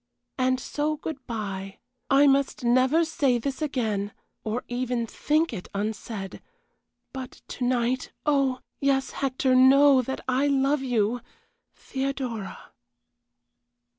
"And so, good bye. I must never say this again or even think it unsaid; but to night, oh! Yes, Hector, know that I love you! THEODORA."